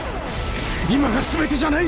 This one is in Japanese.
今が全てじゃない。